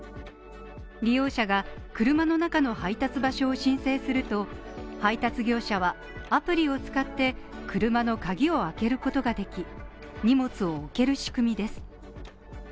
利用者が、車の中の配達場所を申請すると、配達業者はアプリを使って車の鍵を開けることができ、荷物を置ける仕組みです。